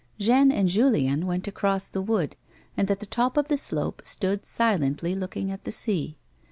Jeanne and Julien went across the wood, and at the top of the slope stood silently looking at the sea.